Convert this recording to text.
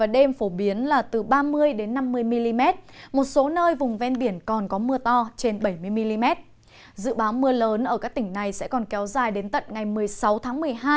dự báo mưa lớn ở các tỉnh này sẽ còn kéo dài đến tận ngày một mươi sáu tháng một mươi hai